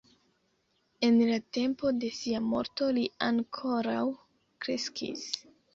En la tempo de sia morto li ankoraŭ kreskis.